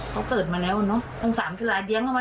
เขาเกิดมาแล้วเนอะ